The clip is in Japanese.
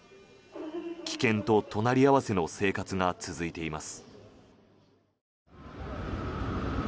危険と隣り合わせの生活が続いています。